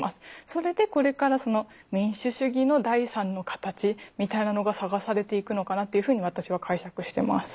それでこれから民主主義の第３の形みたいなのが探されていくのかなっていうふうに私は解釈してます。